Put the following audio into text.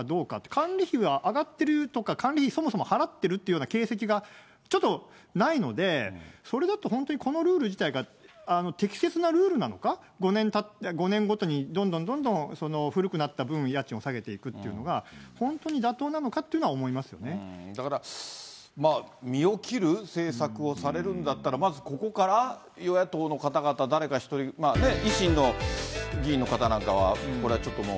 管理費は上がっているとか、管理費、そもそも払ってるというような形跡が、ちょっとないので、それだと、本当にこのルール自体が適切なルールなのか、５年ごとにどんどんどんどん、古くなった分、家賃を下げていくっていうのが本当に妥当なのかっていうのは思いだから、身を切る政策をされるんだったら、まずここから与野党の方々、「キュキュット」油汚れ